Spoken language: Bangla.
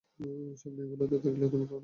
সামনে এগুতে থাকলে তুমি কখনোই আটকাবে না।